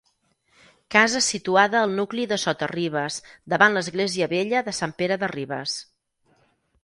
Casa situada al nucli de Sota-Ribes, davant l'Església vella de Sant Pere de Ribes.